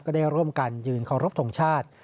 ก็ได้ร่วมกันยืนขอรบถงชาติ